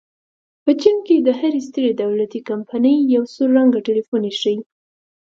په چین کې د هرې سترې دولتي کمپنۍ یو سور رنګه ټیلیفون ایښی.